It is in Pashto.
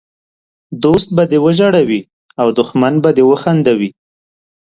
دوست به دې وژړوي او دښمن به دي وخندوي!